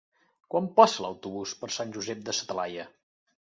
Quan passa l'autobús per Sant Josep de sa Talaia?